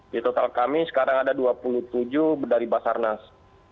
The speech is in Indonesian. di total kami sekarang ada dua puluh tujuh dari basarnas